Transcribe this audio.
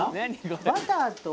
バターと？